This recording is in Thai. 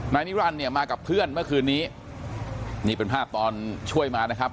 นายนิรันดิ์เนี่ยมากับเพื่อนเมื่อคืนนี้นี่เป็นภาพตอนช่วยมานะครับ